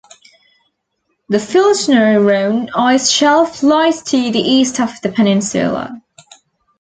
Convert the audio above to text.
The Filchner-Ronne Ice Shelf lies to the east of the peninsula.